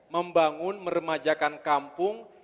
membangun meremajakan kampung